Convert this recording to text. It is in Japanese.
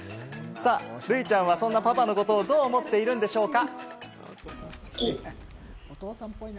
るいちゃんは、そんなパパのことをどう思っているんでしょうか？